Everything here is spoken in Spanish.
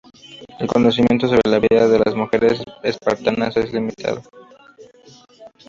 El conocimiento sobre la vida de las mujeres espartanas es limitado.